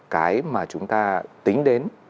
cái mà chúng ta tính đến